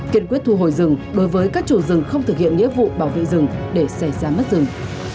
kiên quyết thu hồi rừng đối với các chủ rừng không thực hiện nhiệm vụ bảo vệ rừng để xe xa mất rừng